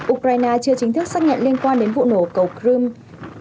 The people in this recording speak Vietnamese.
ukraine chưa chính thức xác nhận liên quan đến vụ nổ cầu crimea